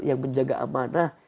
yang menjaga amanah